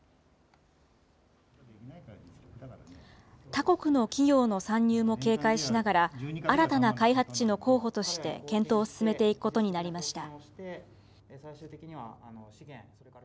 他国の企業の参入も警戒しながら、新たな開発地の候補として検討を進めていくことになりました。